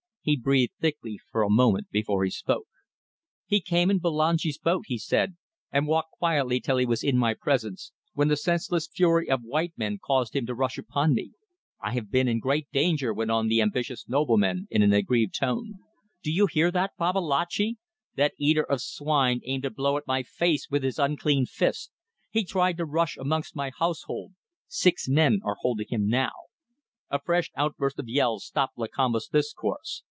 He breathed thickly for a moment before he spoke. "He came in Bulangi's boat," he said, "and walked quietly till he was in my presence, when the senseless fury of white men caused him to rush upon me. I have been in great danger," went on the ambitious nobleman in an aggrieved tone. "Do you hear that, Babalatchi? That eater of swine aimed a blow at my face with his unclean fist. He tried to rush amongst my household. Six men are holding him now." A fresh outburst of yells stopped Lakamba's discourse.